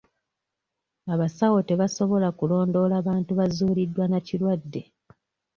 Abasawo tebasobola kulondoola bantu bazuuliddwa na kirwadde.